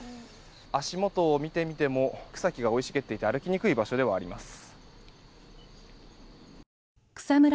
足元を見てみても草木が生い茂っていて歩きにくい場所ではあります。